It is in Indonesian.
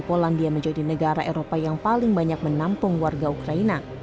polandia menjadi negara eropa yang paling banyak menampung warga ukraina